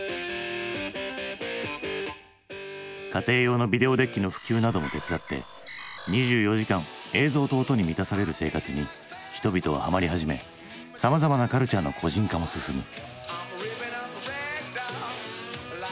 家庭用のビデオデッキの普及なども手伝って２４時間映像と音に満たされる生活に人々はハマり始めさまざまなカルチャーの個人化も進む。